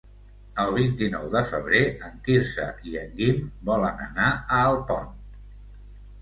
El vint-i-nou de febrer en Quirze i en Guim volen anar a Alpont.